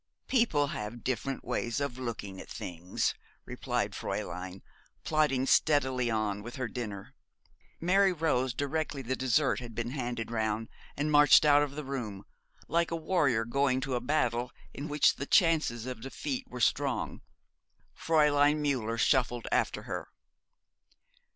'People have different ways of looking at things, replied Fräulein, plodding steadily on with her dinner. Mary rose directly the dessert had been handed round, and marched out of the room: like a warrior going to a battle in which the chances of defeat were strong. Fräulein Müller shuffled after her.